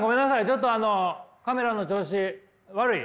ちょっとあのカメラの調子悪い？